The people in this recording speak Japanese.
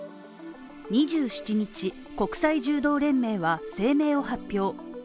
２７日、国際柔道連盟は声明を発表。